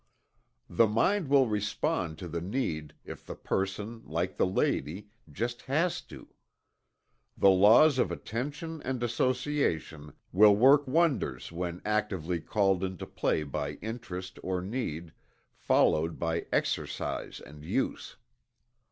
The mind will respond to the need if the person like the lady, "just has to." The laws of Attention and Association will work wonders when actively called into play by Interest or need, followed by exercise and use.